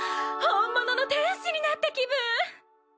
本物の天使になった気分